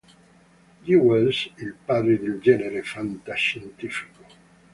G. Wells, il padre del genere fantascientifico.